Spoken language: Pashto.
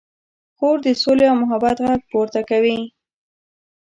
خور د سولې او محبت غږ پورته کوي.